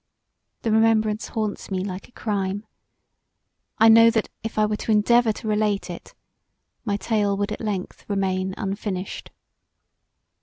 The remembrance haunts me like a crime I know that if I were to endeavour to relate it my tale would at length remain unfinished.